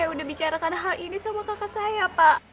saya sudah bicara tentang hal ini dengan kakak saya pak